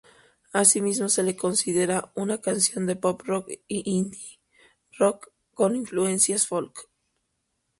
Asimismo, se la considera una canción pop rock y indie rock, con influencias folk.